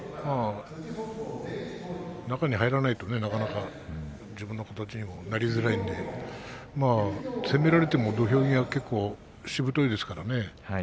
中に入らないと、なかなか自分の形にもなりづらいので攻められても土俵際結構しぶといですからね